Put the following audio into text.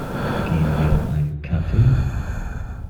Gehen wir auf einen Kaffee?